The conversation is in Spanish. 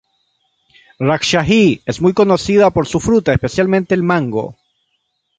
Rajshahi es muy conocida por su fruta, especialmente el mango.